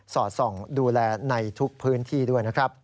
สอดส่องดูแลในทุกพื้นที่ด้วยนะครับ